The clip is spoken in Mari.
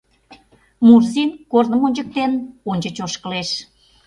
Мурзин, корным ончыктен, ончыч ошкылеш.